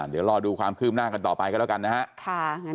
เดี๋ยวรอความขึ้นด้วยกันต่อไปกันแล้วกันนะฮะ